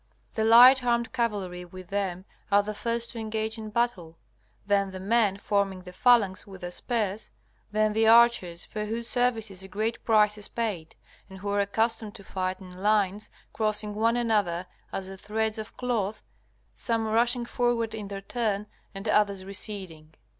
The light armed cavalry with them are the first to engage in battle, then the men forming the phalanx with their spears, then the archers for whose services a great price is paid, and who are accustomed to fight in lines crossing one another as the threads of cloth, some rushing forward in their turn and others receding.